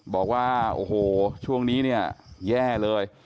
บอกว่าโอ้โหช่วงนี้เนี่ยแย่เลย